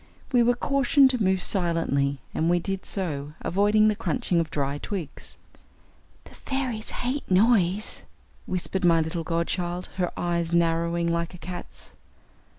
We were cautioned to move silently, and we did so, avoiding the crunching of dry twigs. "The fairies hate noise," whispered my little godchild, her eyes narrowing like a cat's.